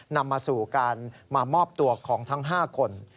นำมาสู่การมามอบตัวของทั้ง๕คน